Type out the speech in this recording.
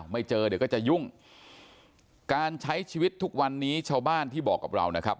ไม่เจอเดี๋ยวก็จะยุ่งการใช้ชีวิตทุกวันนี้ชาวบ้านที่บอกกับเรานะครับ